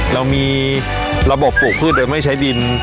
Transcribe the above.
เรามีระบบปลูกพืชโดยไม่ใช้ดิน